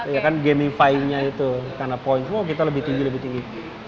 ya kan gamifying nya itu karena poin oh kita lebih tinggi lebih tinggi